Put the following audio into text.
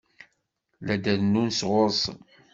La d-rennun sɣur-sen.